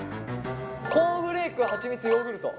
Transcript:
コーンフレークはちみつヨーグルト。